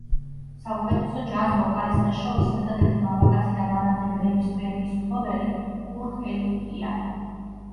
საუკეთესო ჯაზ ვოკალისტთა შორის ერთადერთი მამაკაცი და მანამდე გრემის პრემიის მფლობელი კურტ ელინგია.